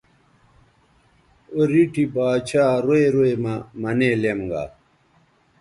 او ریٹھی با ڇھا روئ روئ مہ منے لیم گا